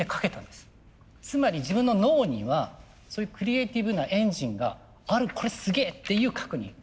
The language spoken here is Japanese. つまり自分の脳にはそういうクリエーティブなエンジンがあるこれすげえっていう確認。